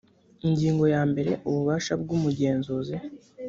ingingo ya mbere ububasha bw umugenzuzi